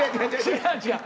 違う違う。